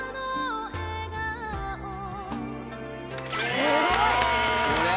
すごい！